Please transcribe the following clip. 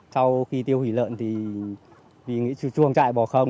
sau khi tiêu hủy lợn thì vì chuồng trại bỏ không